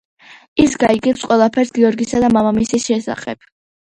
ის გაიგებს ყველაფერს გიორგის და მამამისის შესახებ.